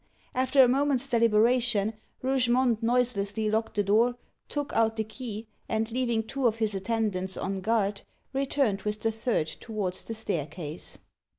After a moment's deliberation, Rougemont noiselessly locked the door, took out the key, and leaving two of his attendants on guard, returned with the third towards the staircase.